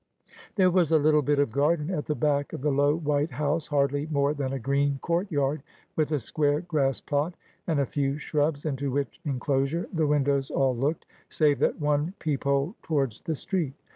There was a little bit of garden at the back of the low, white house, hardly more than a green courtyard, with a square grass plot and a few shrubs, into which enclosure the windows all looked, save that one peep hole towards the street.